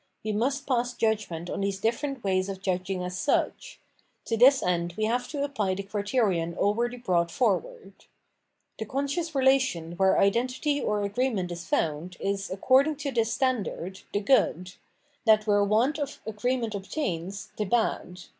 We must pass judgment on these different 506 PJienomenology of Mind ways of judging as such. ; to this end we have to apply the criterion already brought forward. The conscious relation where identity or agreement is found, is, according to this standard, the good; that where want of agreement obtains, the bad.